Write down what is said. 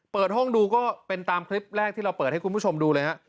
เปิดห้องดูก็เป็นตามคลิปแรกที่เราเปิดให้คุณผู้ชมดูเลยฮะ